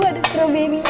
ibu ada strawberry nya